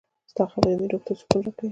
• ستا خبرې مې روح ته سکون راکوي.